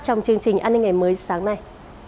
trong chương trình an ninh ngày mới sáng nay